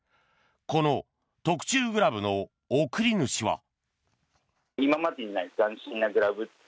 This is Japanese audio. この特注グラブの贈り主は。